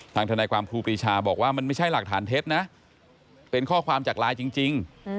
ทนายความครูปรีชาบอกว่ามันไม่ใช่หลักฐานเท็จนะเป็นข้อความจากไลน์จริง